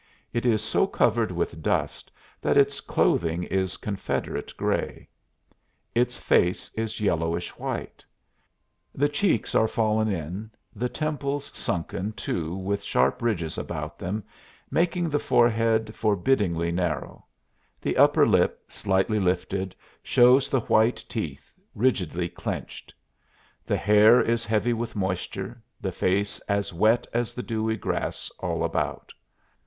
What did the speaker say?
It is so covered with dust that its clothing is Confederate gray. Its face is yellowish white; the cheeks are fallen in, the temples sunken, too, with sharp ridges about them, making the forehead forbiddingly narrow; the upper lip, slightly lifted, shows the white teeth, rigidly clenched. The hair is heavy with moisture, the face as wet as the dewy grass all about.